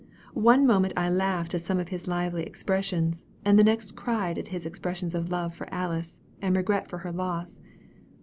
One moment I laughed at some of his lively expressions, and the next cried at his expressions of love for Alice, and regret for her loss.